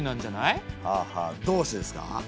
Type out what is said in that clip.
はあはあどうしてですか？